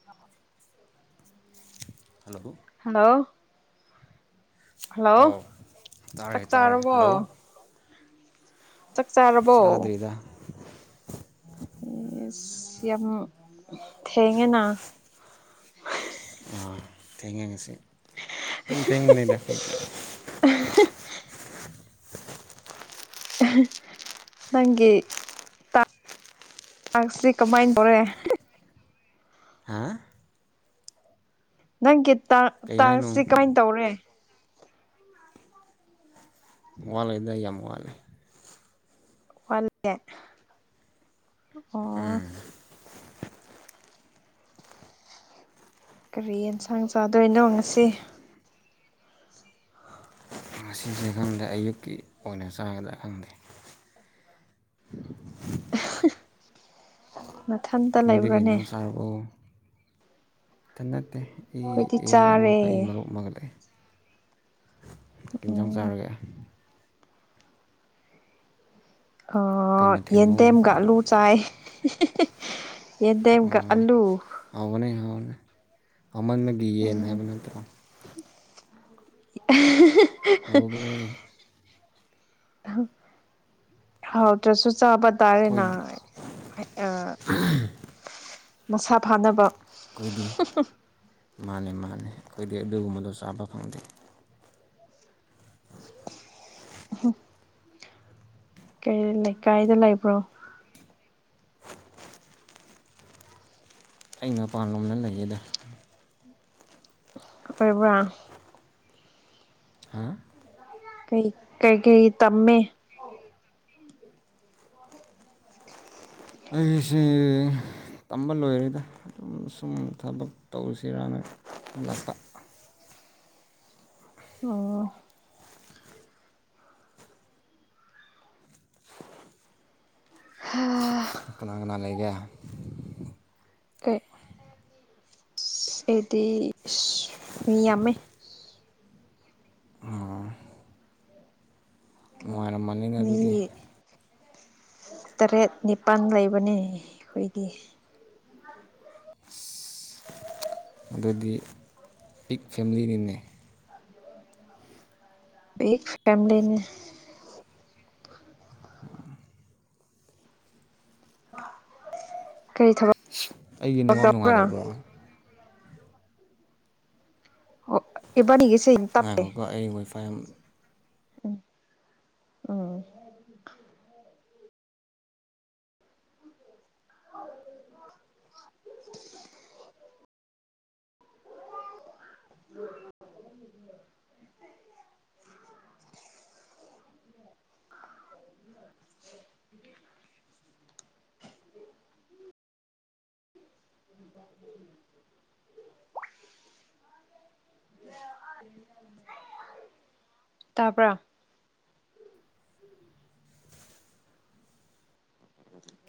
[unintelligible] Hello hello hello ꯑꯧ ꯇꯥꯔꯦ ꯆꯥꯛ ꯇꯥꯔꯦ ꯍꯜꯂꯣ ꯆꯥꯔꯕꯣ ꯆꯥꯛ ꯆꯥꯗ꯭ꯔꯤꯗ ꯏꯁ ꯌꯥꯝ ꯊꯦꯡꯉꯦꯅ ꯊꯦꯡꯉꯦ ꯉꯁꯤ ꯑꯗꯨꯝ ꯊꯦꯡꯕꯅꯤꯗ ꯑꯩꯗꯤ UNINTELLIGIBLE ꯅꯪꯒꯤ ꯆꯥꯛꯁꯤ ꯀꯃꯥꯏꯅ ꯇꯧꯔꯦ ꯍꯥ ꯅꯪꯒꯤ ꯀꯩ ꯍꯥꯏꯅꯣ ꯇꯥꯛꯋꯁꯤ ꯀꯃꯥꯏꯅ ꯇꯧꯔꯦ ꯋꯥꯠꯂꯗ ꯌꯥꯝ ꯋꯥꯠꯂꯦ ꯋꯥꯠꯂꯤꯌꯦ ꯑꯣ ꯀꯔꯤ ꯌꯦꯟꯁꯥꯡ ꯆꯥꯗꯣꯏꯅꯣ ꯉꯁꯤ ꯉꯁꯤꯁꯦ ꯈꯪꯗꯦ ꯑꯌꯨꯛꯀꯤ ꯑꯣꯏꯅ ꯆꯥꯒꯗ꯭ꯔꯥ ꯈꯪꯗꯦ [inaudible] ꯃꯊꯪ ꯃꯣꯏꯗꯗꯒꯤ ꯍꯤ ꯁꯥꯔꯕꯨ ꯅꯠꯇꯦ ꯑꯩ ꯑꯩꯈꯣꯏꯗꯤ ꯑꯌꯥꯝꯕ ꯆꯥꯔꯦ ꯑꯃꯒ ꯑꯩ ꯃꯔꯨꯞ ꯑꯃꯒꯠꯂꯛꯑꯦ ꯀꯩ ꯌꯦꯟꯁꯥꯡ ꯎꯝ ꯆꯥꯔꯒꯦ ꯀꯩ ꯃꯊꯦꯜꯅꯣ ꯌꯦꯟꯗꯦꯝ ꯑꯂꯨ ꯆꯥꯏ ꯌꯦꯟꯗꯦꯝ ꯀ ꯑꯂꯨ ꯍꯥꯎꯕꯅꯦ ꯍꯥꯎꯕꯅꯦ ꯑꯃꯟꯅꯒꯤꯌꯦꯅ ꯎꯝ ꯍꯥꯏꯕ ꯅꯠꯇ꯭ꯔꯣ ꯍꯥꯎꯕꯅꯦ [inaudible] ꯍꯥꯎ ꯇꯁꯨ ꯆꯕ ꯇꯔꯦꯅ ꯑꯩꯈꯣꯏꯗꯤ ꯃꯁꯥ ꯐꯥꯅꯕ ꯑꯩꯈꯣꯏꯗꯤ ꯃꯥꯂ ꯃꯥꯅꯤ ꯑꯩꯈꯣꯏꯗꯤ ꯑꯗꯨꯒꯨꯝꯕꯗꯣ ꯆꯥꯕ ꯐꯪꯗꯦ [inaudible] ꯀꯩ ꯂꯩꯀꯥꯏꯗ ꯂꯩꯕ꯭ꯔꯣ ꯑꯩ ꯃꯄꯥꯟ ꯂꯣꯝꯗ ꯂꯩꯌꯦꯗꯥ ꯑꯣꯏꯕ꯭ꯔꯥ ꯍꯥ ꯀꯩ ꯀꯩ ꯀꯩ ꯇꯝꯃꯦ ꯑꯩꯁꯦ ꯇꯝꯕ ꯂꯣꯏꯔꯦꯗ ꯑꯗꯨꯝ ꯁꯨꯝ ꯊꯕꯛ ꯇꯧꯁꯤꯔꯅ ꯍꯂꯛꯄ ꯑꯣ ꯀꯅꯥ ꯀꯅꯥ ꯂꯩꯒꯦ ꯑꯗꯨꯗꯤ ꯃꯤ ꯌꯥꯝꯃꯦ ꯃꯣꯏꯔꯅꯤ ꯃꯤ ꯇꯔꯦꯠ ꯅꯤꯄꯥꯜ ꯂꯩꯕꯅꯦ ꯑꯩꯈꯣꯏꯒꯤ ꯑꯗꯨꯗꯤ ꯄꯤꯛ ꯐꯦꯂꯤꯅꯤꯅꯦ [inaudible] ꯀꯔꯤ ꯊꯕꯛ ꯑꯩꯒꯤ ꯅꯨꯡꯋꯥꯛ ꯇꯧꯕ꯭ꯔꯥ ꯅꯨꯡꯉꯥꯏꯇꯕ꯭ꯔꯣ [inaudible] ꯉꯥꯏꯒꯒ ꯑꯩ ꯋꯥꯏꯐꯥꯏ ꯌꯥꯝ ꯎꯝ ꯎꯝ [unintelligible] ꯎꯝ [unintelligible] ꯇꯥꯕꯔꯥ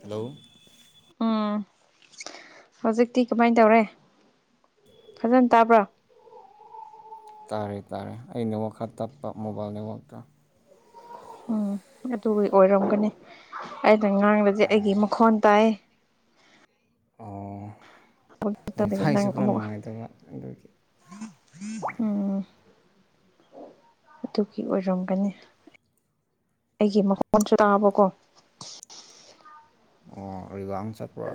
ꯍꯜꯂꯣ ꯎꯝ ꯍꯧꯖꯤꯛꯇꯤ ꯀꯃꯥꯏꯅ ꯇꯧꯔꯦ ꯐꯖꯅ ꯇꯥꯕ꯭ꯔꯣ ꯇꯥꯔꯦ ꯇꯥꯔꯦ ꯑꯩꯅ ꯋꯥ ꯈꯔ ꯇꯞꯄ ꯃꯣꯕꯥꯏꯜ ꯅꯦꯠꯋꯥꯛꯇꯣ ꯎꯝ ꯑꯗꯨꯒꯤ ꯑꯣꯏꯔꯝꯒꯅꯤ ꯑꯩꯅ ꯉꯥꯡꯕꯗꯤꯦ ꯑꯩꯒꯤ ꯃꯈꯣꯟ ꯇꯥꯏꯌꯦ ꯑꯣ ꯍꯣꯏ ꯅꯪ ꯊꯥꯏꯁꯨ ꯈꯔ ꯑꯃꯨꯛ ꯅꯨꯡꯉꯥꯏꯇꯕ ꯑꯗꯨꯒꯤ ꯎꯝ ꯑꯗꯨꯒꯤ ꯑꯣꯏꯔꯝꯒꯅꯤ ꯑꯩꯒꯤ ꯃꯈꯣꯟꯁꯨ ꯇꯥꯕꯀꯣ ꯑꯣ ꯑꯕꯥꯡ ꯆꯠꯄ꯭ꯔꯣ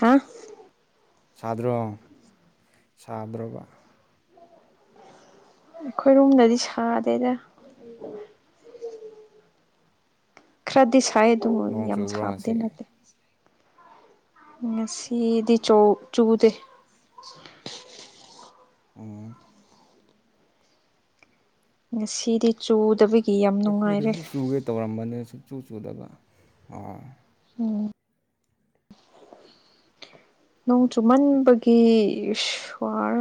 ꯍꯥꯥ ꯁꯥꯗ꯭ꯔꯣ ꯁꯥꯗ꯭ꯔꯣꯕ ꯑꯩꯈꯣꯏꯔꯣꯝꯗꯗꯤ ꯁꯥꯗꯦꯗ ꯈꯔꯗꯤ ꯁꯥꯏꯗ ꯅꯣꯡ ꯌꯥꯝ ꯆꯨꯕ꯭ꯔꯣ ꯉꯁꯤ ꯁꯥꯕꯗꯤ ꯅꯠꯇꯦ ꯉꯁꯤꯗꯤ ꯆꯧ ꯆꯨꯗ ꯑꯣ ꯉꯁꯤꯗꯤ ꯆꯨꯗꯕꯤ ꯑꯩꯈꯣꯏꯗꯁꯨ ꯆꯨꯒꯦ ꯇꯧꯔꯝꯕꯅꯦ ꯁꯨꯛ ꯆꯨ ꯆꯨꯗꯕ ꯑ ꯎꯝ ꯅꯣꯡ ꯆꯨꯝꯃꯟꯕꯒꯤ ꯁ꯭ ꯋꯥꯔ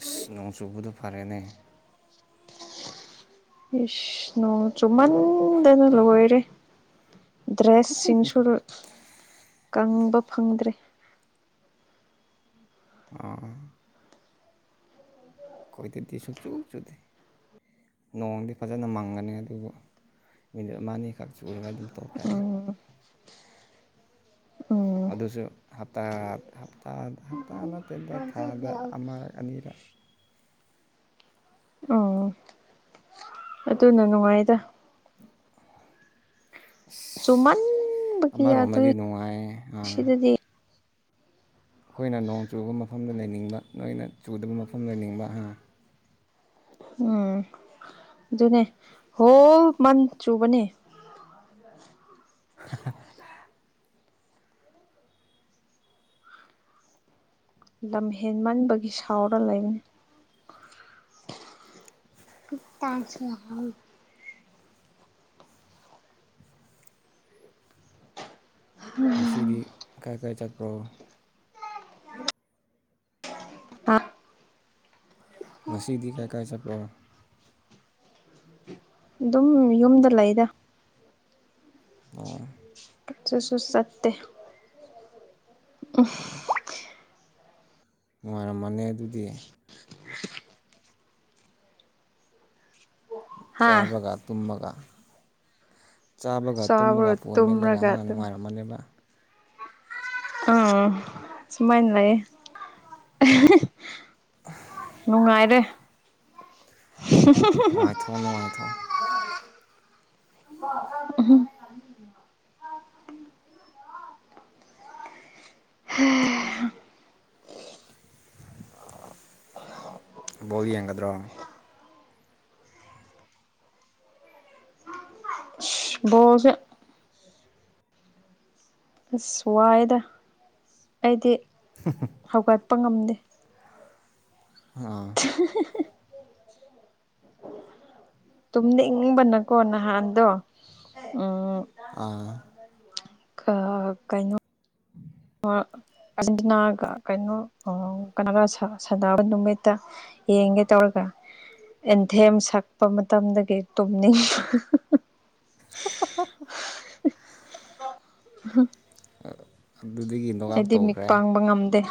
ꯑꯁ ꯅꯣꯡ ꯆꯨꯕꯗꯣ ꯐꯔꯦꯅꯦ ꯏꯁꯅꯨ ꯆꯨꯝꯃꯟꯗꯅ ꯂꯣꯏꯔꯦ ꯗ꯭ꯔꯦꯁꯁꯤꯡꯁꯨ ꯀꯪꯕ ꯐꯪꯗ꯭ꯔꯦ ꯑ ꯑꯩꯈꯣꯏꯗꯗꯤ ꯁꯨꯡꯛꯆꯨ ꯆꯨꯗꯦ ꯅꯣꯡꯗꯤ ꯐꯖꯅ ꯃꯪꯒꯅꯤ ꯑꯗꯨꯕꯨ ꯃꯤꯅꯤꯠ ꯑꯃ ꯑꯅꯤꯈꯛ ꯆꯨꯔꯒ ꯑꯗꯨꯝ ꯇꯣꯛꯈ꯭ꯔꯅꯤ ꯎꯝ ꯎꯝ ꯑꯗꯨꯁꯨꯇꯥ ꯍꯞꯇꯥ ꯅ ꯇꯦꯟꯗ ꯊꯥꯗ ꯑꯃꯔꯛ ꯑꯅꯤꯔꯛ ꯑꯣ ꯑꯗꯨꯅ ꯅꯨꯡꯉꯥꯏꯗ ꯁꯨꯃꯥꯟꯕ ꯑꯃꯔꯣꯝꯗꯗꯤ ꯅꯨꯡꯉꯥꯏꯌꯦ ꯑꯥ ꯑꯗꯨꯗꯗꯤ ꯑꯩꯈꯣꯏꯅ ꯅꯣꯡ ꯆꯨꯕ ꯃꯐꯝꯗ ꯂꯩꯅꯤꯡꯕ ꯅꯣꯏꯅ ꯆꯨꯗꯕ ꯃꯐꯝꯗ ꯂꯩꯅꯤꯡꯕ ꯑ ꯎꯝ ꯑꯗꯨꯅꯦ ꯍꯣꯜ ꯃꯟ ꯆꯨꯕꯅꯦ [inaudible] ꯂꯝ ꯍꯦꯟꯃꯟꯕꯒꯤ ꯁꯥꯎꯔ ꯂꯩꯕꯅꯤ [inaudible] ꯊꯦꯡꯁ ꯃꯝ ꯉꯁꯤꯗꯤ ꯀꯥꯏ ꯀꯥꯏ ꯆꯠꯄ꯭ꯔꯣ ꯇ ꯉꯁꯤꯗꯤ ꯀꯥꯏꯀꯥꯏ ꯆꯠꯄꯣ ꯑꯗꯨꯝ ꯌꯨꯝꯗ ꯂꯩꯗ ꯑꯥ ꯄ ꯁꯣ ꯁꯠꯇ ꯎꯝ ꯅꯨꯡꯉꯥꯏꯔꯝꯃꯅꯤ ꯑꯗꯨꯗꯤ ꯍꯥ ꯆꯥꯕꯒ ꯇꯨꯝꯃꯒ ꯆꯥꯕꯒ ꯇꯨꯝꯃꯒ ꯆꯥꯕ꯭ꯔ ꯄꯣꯟ ꯃꯦꯠꯂꯒ ꯇꯨꯝꯔꯒ ꯑꯉꯥꯡ ꯑꯗꯨꯝ ꯅꯨꯡꯉꯥꯏꯔꯝꯃꯅꯦꯕ ꯑꯥ ꯁꯨꯃꯥꯏꯅ ꯂꯩꯌꯦ ꯅꯨꯡꯉꯥꯏꯔꯦ ꯅꯨꯡꯉꯥꯏꯊꯣ ꯅꯨꯡꯉꯥꯏꯊꯣ ꯎꯝ ꯍ ꯕꯧ ꯌꯦꯡꯒꯗ꯭ꯔꯣ ꯕ ꯑꯁ ꯋꯥꯏꯗ ꯑꯩꯗꯤ ꯍꯧꯒꯠꯄ ꯉꯝꯗꯦ ꯑꯥ [unintelligible] ꯇꯨꯝꯅꯤꯡꯕꯅꯀꯣ ꯅꯍꯥꯟꯗꯣ ꯎꯝ ꯑꯥ ꯑ ꯀꯩꯅꯣ ꯑꯥꯔꯖꯦꯟꯇꯤꯅꯥꯒ ꯀꯩꯅꯣ ꯀꯅꯥꯒꯥ ꯁꯥ ꯁꯅꯕ ꯅꯨꯃꯤꯠꯇ ꯌꯦꯡꯒꯦ ꯇꯧꯔꯒ ꯑꯦꯟꯊꯦꯝ ꯁꯛꯄ ꯃꯇꯝꯗꯒꯤ ꯇꯨꯝꯅꯤꯡ [unintelligible] ꯑꯗꯨꯗꯒꯤ ꯅꯣꯛꯑꯥꯎꯠ ꯇꯧꯈ꯭ꯔꯦ ꯕ ꯉꯝꯗ‌ꯦ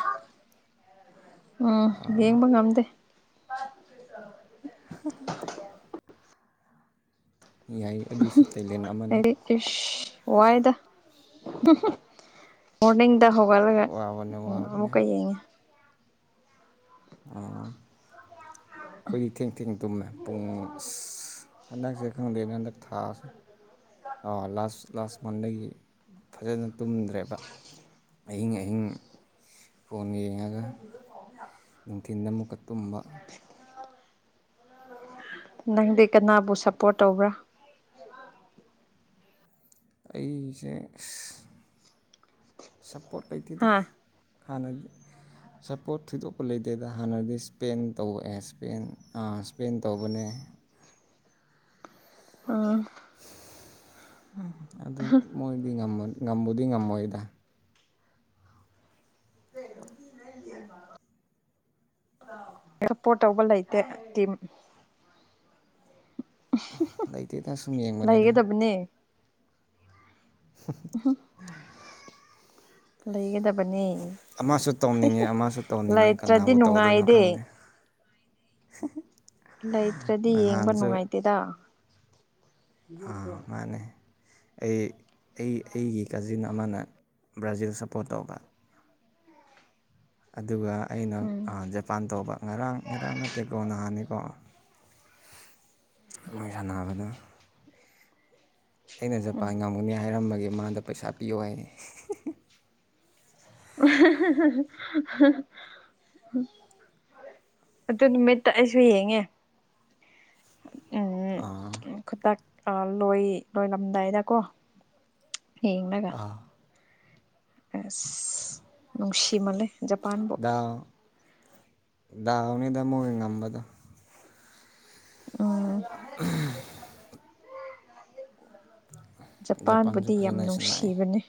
ꯎꯝ ꯌꯦꯡꯕ ꯉꯝꯗꯦ [unintelligible] ꯌꯥꯏ ꯑꯗꯨꯁꯨ ꯇꯦꯂꯦꯟ ꯑꯃꯅꯤ ꯑꯩꯗꯤ ꯏꯁ ꯋꯥꯏꯗ ꯃꯣꯔꯅꯤꯡꯗ ꯍꯧ ꯒꯠꯂꯒ ꯋꯥꯕꯅꯦ ꯋꯥꯕꯅꯦ ꯑꯃꯨꯛꯀ ꯌꯦꯡꯉꯦ ꯑꯣ ꯑꯩꯣꯏ ꯊꯦꯡ ꯊ ꯇꯨꯝꯃꯦ ꯄꯨꯡ ꯑꯁ ꯍꯟꯗꯛꯁꯦ ꯈꯪꯗꯦ ꯍꯟꯗꯛ ꯊꯥꯥꯁꯦ ꯑ ꯂꯥꯁ ꯂꯥꯁ ꯃꯟꯗꯒꯤ ꯐꯖꯅ ꯇꯨꯝꯗ꯭ꯔꯦꯕ ꯑꯍꯤꯡ ꯑꯍꯤꯡ ꯐꯣꯟ ꯌꯦꯡꯉꯒ ꯅꯨꯡꯊꯤꯟꯗ ꯃꯨꯛꯀꯠ ꯇꯨꯝꯕ ꯌꯥ ꯅꯪꯗꯤ ꯀꯅꯥꯕꯨ ꯁꯞꯄꯣꯔꯠ ꯇꯧꯕ꯭ꯔꯥ ꯑꯩꯁꯦ ꯁꯞꯄꯣꯔꯠ ꯂꯩꯇꯦꯗ ꯍꯥ ꯍꯥꯟꯅꯒꯤ ꯁꯄꯣꯔꯠ ꯊꯣꯏꯗꯣꯛꯄ ꯂꯩꯇꯦꯗ ꯍꯥꯟꯅꯗꯤ ꯁꯄꯦꯟ ꯇꯧꯑꯦ ꯁꯄꯦꯟ ꯁꯄꯦꯟ ꯇꯧꯕꯅꯦ ꯎꯝ ꯑꯗꯨ ꯃꯣꯏꯗꯤ ꯉꯕꯨꯗꯤ ꯉꯝꯃꯣꯏꯗ [unintelligible] [inaudible] ꯁꯄꯣꯔꯠ ꯇꯧꯕ ꯂꯩꯇꯦ ꯇꯤꯝ [unintelligible] ꯂꯩꯇꯦꯗ ꯁꯨꯝ ꯌꯦꯡꯕꯅꯤꯗ ꯎꯝ ꯍꯝ ꯂꯩꯒꯗꯝ ꯕꯅꯤ ꯑꯃꯁꯨ ꯇꯧꯅꯤꯡꯉꯦ ꯑꯃꯁꯨ ꯇꯧꯅꯤꯡꯉꯦ ꯂꯩꯇ꯭ꯔꯗꯤ ꯀꯅꯥꯕꯨ ꯇꯧꯗꯣꯏꯅꯣ ꯅꯨꯡꯉꯥꯏꯗꯦ ꯈꯪꯗꯦ ꯂꯩꯇ꯭ꯔꯗꯤ ꯌꯦꯡꯕ ꯅꯍꯥꯟꯁꯨ ꯅꯨꯡꯉꯥꯏꯇꯦꯗ ꯑꯥ ꯃꯥꯅꯦ ꯑꯩ ꯑꯩ ꯑꯩꯒꯤ ꯀꯖꯤꯟ ꯑꯃꯅ ꯕ꯭ꯔꯥꯖꯤꯜ ꯁꯞꯄꯣꯔꯠ ꯇꯧꯕ ꯑꯗꯨꯒ ꯑꯩꯅ ꯎꯝ ꯑ ꯖꯥ ꯄꯥꯟꯇꯧꯕ ꯉꯔꯥꯡ ꯉꯔꯥꯡ ꯅꯠꯇꯦꯀꯣ ꯅꯍꯥꯟꯅ‌‌ꯦꯀꯣ ꯃꯣꯏ ꯁꯥꯟꯅꯕꯗ ꯑꯩꯅ ꯖꯄꯥꯟ ꯉꯝꯒꯨꯅꯤ ꯍꯥꯏꯔꯃꯒꯦ ꯃꯥꯗ ꯄꯩꯁꯥ ꯄꯤꯌꯣ ꯍꯥꯏ [unintelligible] ꯑꯗꯨ ꯅꯨꯃꯤꯠꯇ ꯑꯩꯁꯨ ꯌꯦꯡꯉꯦ ꯎꯝ ꯑꯥ ꯈꯨꯗꯛ ꯂꯣꯏ ꯂꯣꯏꯂꯝꯗꯥꯏꯗꯀꯣ ꯌꯦꯡꯂꯡꯒ ꯑꯥ ꯑꯁ ꯅꯨꯡꯁꯤꯃꯂꯦ ꯖꯄꯥꯟꯕꯨ ꯗꯥꯥꯎꯅꯤꯗ ꯃꯣ ꯉꯝꯕꯗ ꯎꯝ [unintelligible] ꯖꯄꯥꯟꯁꯨ ꯖꯄꯥꯟꯕꯨꯗꯤ ꯌꯥꯝ ꯐꯖꯅ ꯁꯥꯟꯅꯩ ꯅꯨꯡꯁꯤꯕꯅꯦ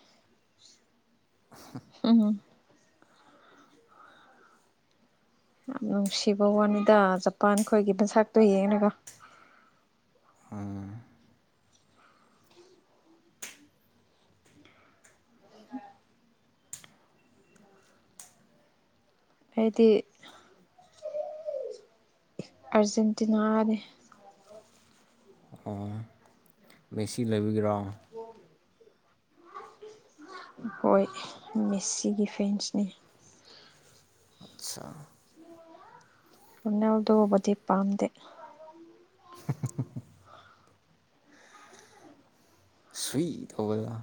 ꯎꯝ ꯌꯥꯝ ꯅꯨꯡꯁꯤꯕ ꯋꯥꯅꯤꯗ ꯖꯄꯥꯟ ꯈꯣꯏꯒꯤ ꯕꯟꯁꯥꯛꯇꯣ ꯌꯦꯡꯉꯒ ꯎꯝ ꯑꯩꯗꯤ ꯑꯔꯖꯦꯟꯇꯤꯅꯥꯅꯤ ꯑꯣ ꯃꯦꯁꯤ ꯂꯩꯕꯤꯒꯔꯣ ꯍꯣꯏ ꯃꯦꯁꯤꯒꯤ ꯐꯦꯟꯁꯅꯦ ꯑꯆꯥꯥ [unintelligible] ꯃꯟꯅꯎꯗꯣꯕꯗꯤꯤ ꯄꯝꯗꯦ [unintelligible] ꯁꯨꯏ ꯇꯧꯕꯗ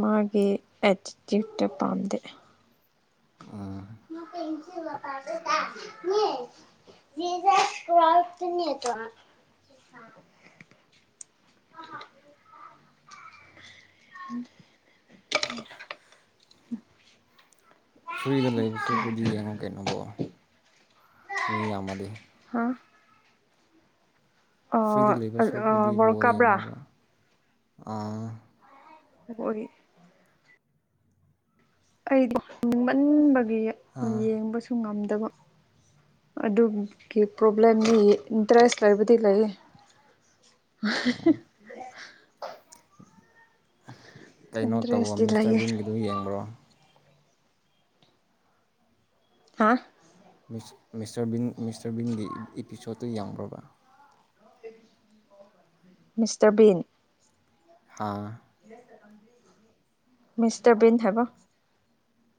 ꯃꯥꯒꯤ ꯑꯦ ꯆꯤꯇ ꯄꯥꯝꯗꯦ ꯑꯥꯝ ꯀꯁꯤꯄꯔꯦ ꯀ ꯃꯤ [inaudible] [inaudible] ꯫ [inaudible] ꯐ꯭ꯔꯤꯗ ꯂꯩꯕ ꯁꯔꯨꯛꯄꯨꯗꯤ ꯌꯦꯡꯉꯨ ꯀꯩꯅꯣ ꯕꯣꯜ ꯃꯤ ꯌꯥꯝꯃꯗꯤ꯫ ꯍꯥꯥ꯫ ꯑꯥ ꯐ꯭ꯔꯤꯗ ꯂꯩꯕ ꯑꯥ ꯁꯔꯨꯛꯄꯨꯗꯤ ꯋꯥꯔꯜ ꯕꫭꯜ ꯀꯞꯔꯥ ꯌꯦꯡꯉꯣꯕ꯫ [inaudible] ꯑꯩꯗꯨ ꯍꯟꯅꯤꯡꯃꯟꯕꯒꯤ ꯑꯥ ꯌꯦꯡꯕꯁꯨ ꯉꯝꯗꯕ꯫ ꯑꯗꯨꯒꯤ ꯄ꯭ꯔꯣꯕ꯭ꯂꯦꯝꯅꯤ ꯏꯟꯇꯔꯦꯁ ꯂꯩꯕꯗꯤ ꯂꯩꯌ‌ꯦ꯫ ꯫ [inaudible] ꯀꯩꯅꯣ ꯇꯧꯑꫭ ꯏꯟꯇꯔꯦꯁꯇꯤ ꯂꯩꯌꯦ ꯃꯤꯁꯇꯔꯕꯤꯟꯒꯤꯗꯨ ꯌꯦꯡꯕ꯭ꯔꯣ꯫ ꯍꯥꯥ꯫ ꯃꯤꯁꯇꯔ ꯕꯤꯟ ꯃꯤꯁꯇꯔ ꯕꯤꯟꯒꯤ ꯏꯄꯤꯁꯣꯠꯇꯨ ꯌꯥꯝꯕ ꯒ꯭ꯔꯥꯕ꯫ ꯃꯤꯁꯇꯔ ꯕꯤꯟ ꯍꯥꯥ ꯃꯤꯁꯔ ꯕꯤꯟ ꯍꯥꯢꯕ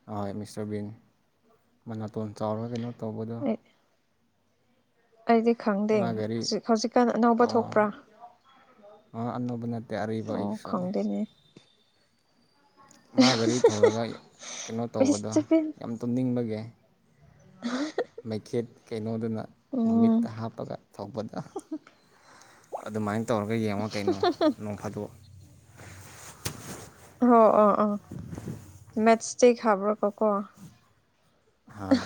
ꯍꯣꯏ ꯃꯤꯁꯇꯔ ꯕꯤꯟ ꯃꯅꯥꯇꯣꯟ ꯆꯥꯎꯔ ꯀꯩꯅꯣ ꯇꯧꯕꯗꯣ ꯑꯩ ꯑꯩꯗꯤ ꯈꯪꯗꯦ ꯃꯥ ꯒꯥꯔꯤ ꯍꯧꯖꯤꯛ ꯍꯧꯖꯤꯛꯀꯥꯟ ꯑꯅꯧꯕ ꯑꯣ ꯊꯣꯛꯄ꯭ꯔꯥ ꯑꯅꯧꯕ ꯅꯠꯇꯦ ꯑꯔꯤꯕ ꯑꯣ ꯏꯄꯤꯁꯣꯠꯅꯤ ꯈꯪꯗꯦꯅꯦ ꯃꯥ ꯒꯥꯔꯤ ꯊꯧꯔꯒ ꯀꯩꯅꯣ ꯇꯧꯕꯗꯣ ꯃꯤꯁꯇꯔ ꯌꯥꯝ ꯇꯨꯝꯅꯤꯡꯕꯒꯤ ꯎ [inaudible] ꯃꯩꯈꯦꯠ ꯀꯩꯅꯣꯗꯨꯅ ꯃꯃꯤꯠꯇ ꯍꯥꯞꯄꯒ ꯊꯧꯕꯗ ꯑꯗꯨꯃꯥꯏꯅ ꯇꯧꯔꯒ ꯌꯦꯡꯉ ꯀꯩꯅꯣ ꯅꯣꯡ ꯐꯥꯗꯣꯛ ꯍꯣ ꯑꯥ ꯑꯥ ꯃꯦꯠꯁꯇꯦꯛ ꯍꯥꯕ꯭ꯔꯣꯀꯣ ꯀꯣ ꯍꯣꯏ